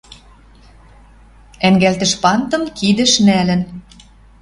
Ӓнгӓлтӹшпандым кидӹш нӓлӹн